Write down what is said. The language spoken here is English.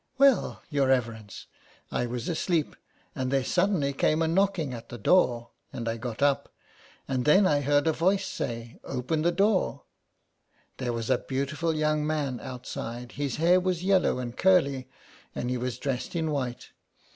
"Well, your reverence, I was asleep, and there suddenly came a knocking at the door, and I got up, and then I heard a voice say, 'open the door.* There was a beautiful young man outside, his hair was yellow and curly, and he was dressed in white.